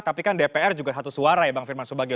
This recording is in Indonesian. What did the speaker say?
tapi kan dpr juga satu suara ya bang firman subagio